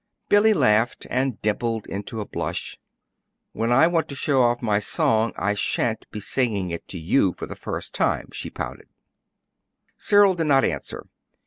Billy laughed and dimpled into a blush. "When I want to show off my song I sha'n't be singing it to you for the first time," she pouted. Cyril did not answer.